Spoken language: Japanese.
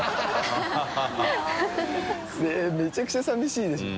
めちゃくちゃ寂しいでしょ。